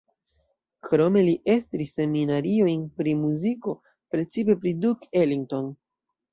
Krome li estris seminariojn pri muziko, precipe pri Duke Ellington.